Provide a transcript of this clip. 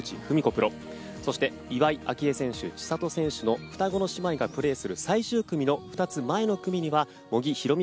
プロそして岩井明愛選手千怜選手の双子の選手がプレーする最終組の２つ前の組には茂木宏美